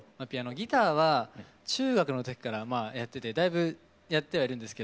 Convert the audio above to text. ギターは中学の時からやっててだいぶやってはいるんですけど。